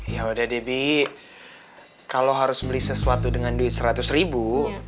ya udah debi kalau harus beli sesuatu dengan duit seratus ribu